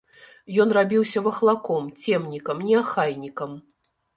Ён рабіўся вахлаком, цемнікам, неахайнікам.